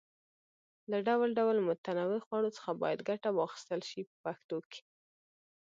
له ډول ډول متنوعو خوړو څخه باید ګټه واخیستل شي په پښتو کې.